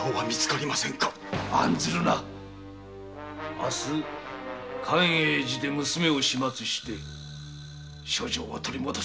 明日寛永寺で娘を始末して書状は取り戻す。